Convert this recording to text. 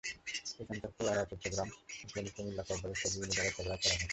এখানকার পেয়ারা চট্টগ্রাম, ফেনী, কুমিল্লা, কক্সবাজারসহ বিভিন্ন জায়গায় সরবরাহ করা হয়।